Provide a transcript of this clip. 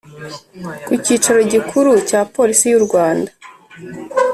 ku kicaro gikuru cya polisi y’u rwanda